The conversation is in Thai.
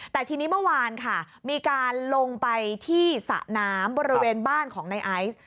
แต่ทีนี้เมื่อวานค่ะมีการลงไปที่สระน้ำบริเวณบ้านของในไอซ์